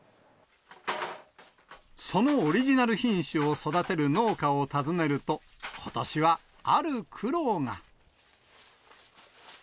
そのオリジナル品種を育てる農家を訪ねると、ことしはある苦労が。